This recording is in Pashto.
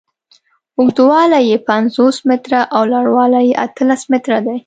اوږدوالی یې پنځوس متره او لوړوالی یې اتلس متره دی.